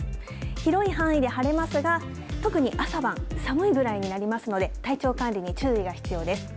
広い範囲で晴れますが特に朝晩寒いぐらいになりますので体調管理に注意が必要です。